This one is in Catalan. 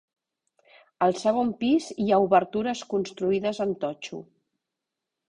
Al segon pis hi ha obertures construïdes en totxo.